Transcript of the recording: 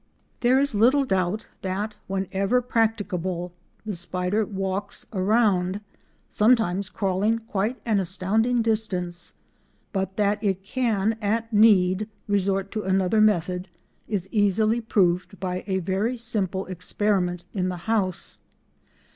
There is little doubt that, wherever practicable, the spider walks round, sometimes crawling quite an astounding distance, but that it can at need, resort to another method, is easily proved by a very simple experiment in the house.